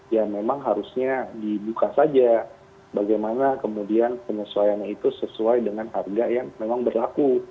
ya memang harusnya dibuka saja bagaimana kemudian penyesuaiannya itu sesuai dengan harga yang memang berlaku